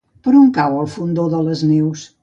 Per on cau el Fondó de les Neus?